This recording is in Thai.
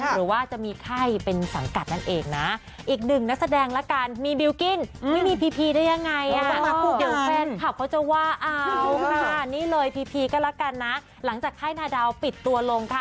หรือว่าจะมีค่ายเป็นสังกัดนั่นเองนะ